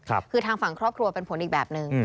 คือทางฝั่งครอบครัวเป็นผลอีกแบบนึง